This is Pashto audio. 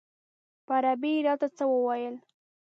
په عربي یې راته څه وویل.